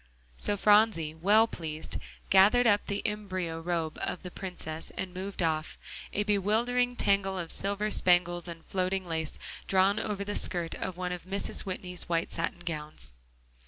So Phronsie, well pleased, gathered up the embyro robe of the Princess and moved off, a bewildering tangle of silver spangles and floating lace, drawn over the skirt of one of Mrs. Whitney's white satin gowns.